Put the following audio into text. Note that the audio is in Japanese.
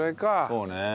そうね。